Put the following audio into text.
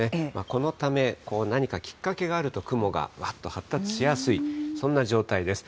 このため、何かきっかけがあると、雲がわっと発達しやすい、そんな状態です。